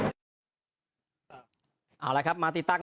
เอาล่ะครับมาติดตั้ง